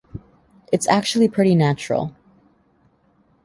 It's actually pretty natural.